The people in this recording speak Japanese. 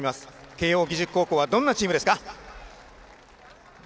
慶応義塾高校はどんなチームですか？